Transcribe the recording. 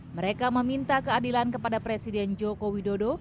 mereka meminta keadilan kepada presiden joko widodo